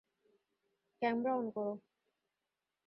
Camera on করো।